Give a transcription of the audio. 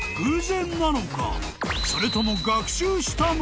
［それとも］